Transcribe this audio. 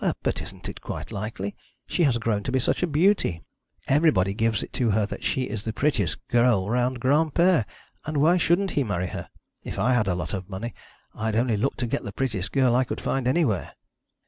'But isn't it quite likely? She has grown to be such a beauty! Everybody gives it to her that she is the prettiest girl round Granpere. And why shouldn't he marry her? If I had a lot of money, I'd only look to get the prettiest girl I could find anywhere.'